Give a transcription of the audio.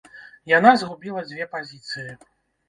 Яна згубіла дзве пазіцыі.